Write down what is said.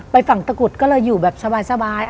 ฝั่งตะกุดก็เลยอยู่แบบสบาย